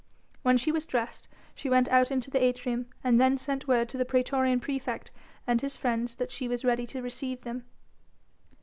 When she was dressed she went out into the atrium and then sent word to the praetorian praefect and his friends that she was ready to receive them.